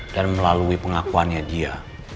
dan melalui pengakuannya dia